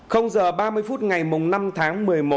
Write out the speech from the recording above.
h ba mươi phút ngày năm tháng một mươi một